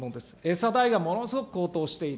餌代がものすごく高騰している。